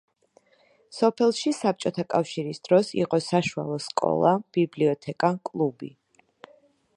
სოფელში საბჭოთა კავშირის დროს იყო საშუალო სკოლა, ბიბლიოთეკა, კლუბი.